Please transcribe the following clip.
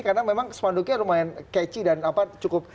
karena memang spanduknya lumayan keci dan cukup